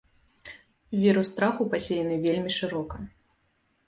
Вірус страху пасеяны вельмі шырока.